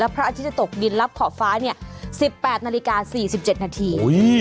พระอาทิตย์จะตกดินรับขอบฟ้า๑๘นาฬิกา๔๗นาที